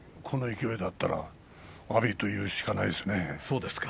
この勢いだったら阿炎というしかないですね。